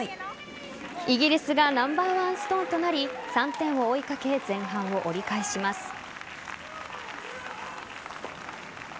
イギリスがナンバーワンストーンとなり３点を追いかけ前半を折り返します。